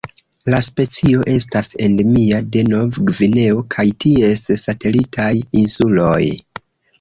La specio estas endemia de Nov-Gvineo kaj ties satelitaj insuloj.